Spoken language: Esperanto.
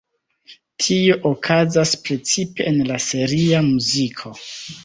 Tio okazas precipe en la seria muziko.